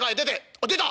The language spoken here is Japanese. あっ出た！